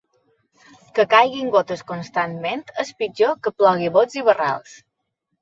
Que caiguin gotes constantment és pitjor que plogui a bots i barrals.